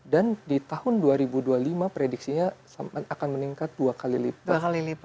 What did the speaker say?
dan di tahun dua ribu dua puluh lima prediksinya akan meningkat dua kali lipat